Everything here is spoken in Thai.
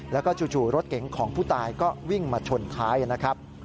แล้วก็จู่รถเก๋งของผู้ตายก็วิ่งมาชนท้ายนะครับ